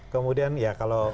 kemudian ya kalau